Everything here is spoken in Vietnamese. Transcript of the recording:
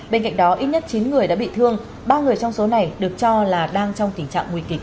bên cạnh đó ít nhất chín người đã bị thương ba người trong số này được cho là đang trong tình trạng nguy kịch